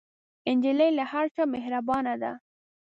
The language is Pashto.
نجلۍ له هر چا مهربانه ده.